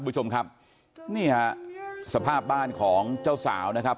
คุณผู้ชมครับนี่ฮะสภาพบ้านของเจ้าสาวนะครับ